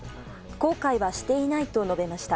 後悔はしていないと述べました。